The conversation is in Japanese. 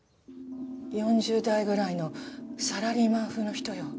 ４０代ぐらいのサラリーマン風の人よ。